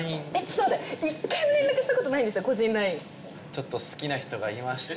「ちょっと好きな人がいまして」